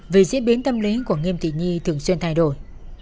về diễn biến tâm lý của nghiêm thị nhi thường xuyên thay đổi